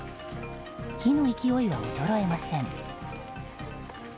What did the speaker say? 火の勢いは衰えません。